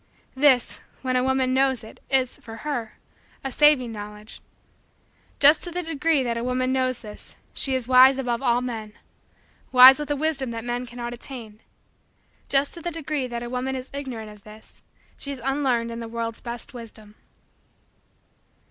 This, when a woman knows it, is, for her, a saving Knowledge. Just to the degree that a woman knows this, she is wise above all men wise with a wisdom that men cannot attain. Just to the degree that a woman is ignorant of this, she is unlearned in the world's best wisdom.